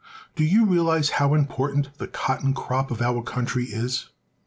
Do you realize how important the cotton crop of our country is?